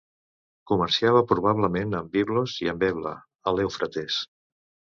Comerciava probablement amb Biblos i amb Ebla, a l'Eufrates.